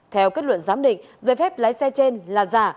theo kết luận giám định giấy phép lái xe trên là giả